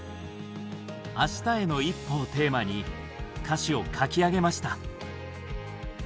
「明日への一歩」をテーマに歌詞を書き上げました。